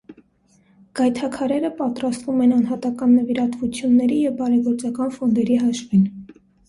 Գայթաքարերը պատրաստվում են անհատական նվիրատվությունների և բարեգործական ֆոնդերի հաշվին։